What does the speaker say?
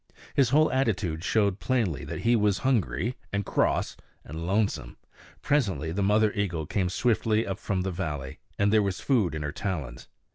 His whole attitude showed plainly that he was hungry and cross and lonesome. Presently the mother eagle came swiftly up from the valley, and there was food in her talons.